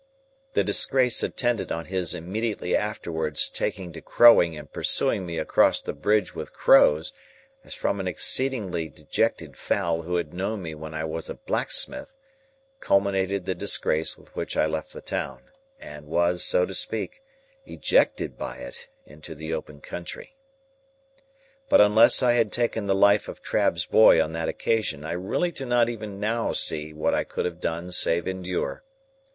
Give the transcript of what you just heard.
The disgrace attendant on his immediately afterwards taking to crowing and pursuing me across the bridge with crows, as from an exceedingly dejected fowl who had known me when I was a blacksmith, culminated the disgrace with which I left the town, and was, so to speak, ejected by it into the open country. But unless I had taken the life of Trabb's boy on that occasion, I really do not even now see what I could have done save endure.